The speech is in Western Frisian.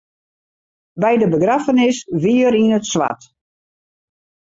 By de begraffenis wie er yn it swart.